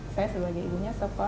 saya sebagai ibunya support lah